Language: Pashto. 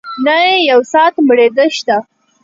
نه يې يو ساعت مړېدۀ شته